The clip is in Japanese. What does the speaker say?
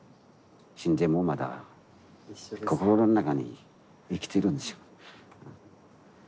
死んでもまだ心の中に生きてるんですよ。